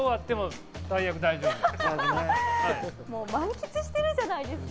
満喫してるじゃないですか。